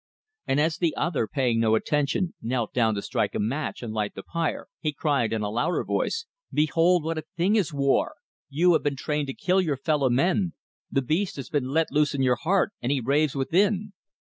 And as the other, paying no attention, knelt down to strike a match and light the pyre, he cried, in a louder voice: "Behold what a thing is war! You have been trained to kill your fellow men; the beast has been let loose in your heart, and he raves within!"